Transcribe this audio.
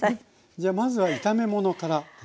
じゃまずは炒め物からですか？